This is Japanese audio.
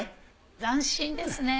斬新ですね。